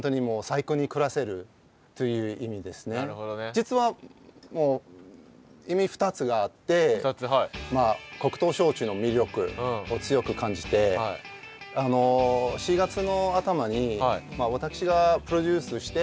実は意味２つがあって黒糖焼酎の魅力を強く感じて４月の頭に私がプロデュースして。